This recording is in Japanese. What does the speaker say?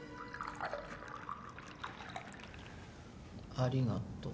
ありがとう。